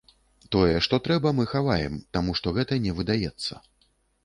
Тое, што трэба, мы хаваем, таму што гэта не выдаецца.